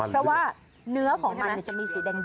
เพราะว่าเนื้อของมันจะมีสีแดง